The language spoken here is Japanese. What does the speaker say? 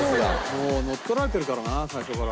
もう乗っ取られてるからな最初から。